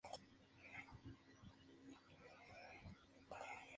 Además, el aire muy seco empezó a estar atrapado en el sistema.